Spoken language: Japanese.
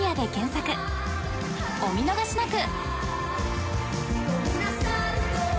［お見逃しなく！］